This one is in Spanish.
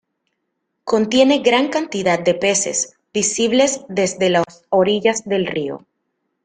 Contiene gran cantidad de peces, visibles desde las orillas del río.